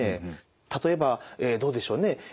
例えばどうでしょうね？